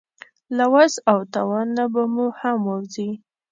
له وس او توان نه به مو هم ووځي.